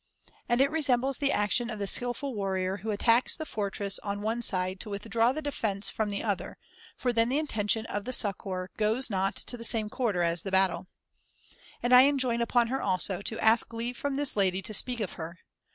And it resembles the action of the skilful warrior who attacks the fortress on one side to withdraw the defence from the other, for then the intention of the succour goes not to the \jo'] same quarter as the battle. And I enjoin upon her also, to ask leave from this lady to speak of her.